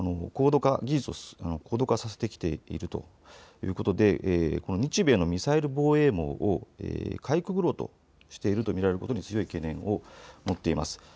技術を高度化させてきているということで日米のミサイル防衛網をかいくぐろうとしていると見られることに強い懸念を持っています。